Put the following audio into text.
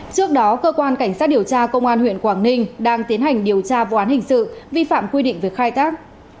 trước đó cơ quan cảnh sát điều tra công an huyện quảng ninh đang tiến hành điều tra vụ án hình sự vi phạm quy định về khai thác